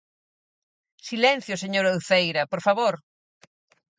¡Silencio, señora Uceira, por favor!